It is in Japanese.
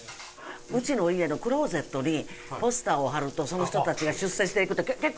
うちの家のクローゼットにポスターを貼るとその人たちが出世していくって結構な話。